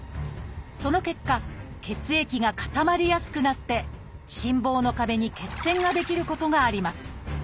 その結果血液が固まりやすくなって心房の壁に血栓が出来ることがあります。